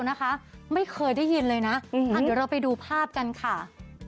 สีเขี้ยวนะคะไม่เคยได้ยินเลยนะอ่ะเดี๋ยวเราไปดูภาพกันค่ะ